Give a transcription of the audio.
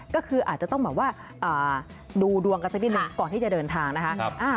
ก็คืออาจจะต้องแบบว่าดูดวงกันสักนิดนึงก่อนที่จะเดินทางนะคะ